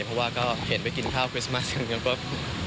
ก็เห็นไปกินข้าวคริสต์มาสกันกันกันปุ๊บ